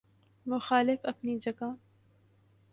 مخالفت اپنی جگہ۔